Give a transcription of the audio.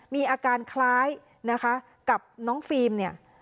มีอาการคล้ายนะคะกับน้องฟิล์มเนี่ย